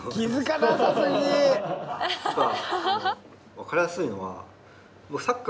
わかりやすいのは。